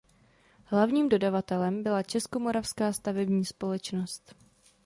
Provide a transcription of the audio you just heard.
Hlavním dodavatelem byla Českomoravská stavební společnost.